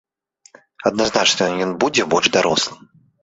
Адназначна ён будзе больш дарослым.